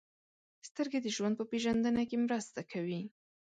• سترګې د ژوند په پېژندنه کې مرسته کوي.